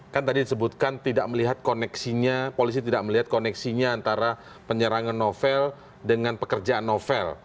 kan tadi disebutkan polisi tidak melihat koneksinya antara penyerangan novel dengan pekerjaan novel